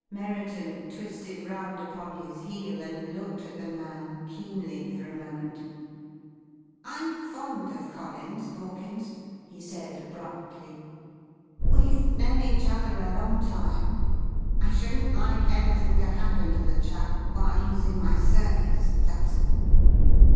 Merriton twisted round upon his heel and looked at the man keenly for a moment. "I'm fond of Collins, Borkins," he said abruptly. "We've known each other a long time. I shouldn't like anything to happen to the chap while he's in my service, that's all.